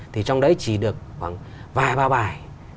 thì trong đấy chỉ được khoảng vài ba bài